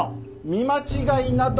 見間違いなどない！